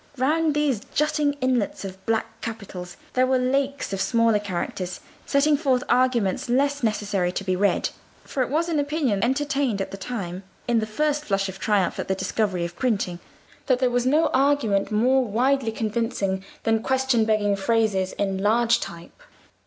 Round these jutting islets of black capitals there were lakes of smaller characters setting forth arguments less necessary to be read: for it was an opinion entertained at that time (in the first flush of triumph at the discovery of printing), that there was no argument more widely convincing than question begging phrases in large type.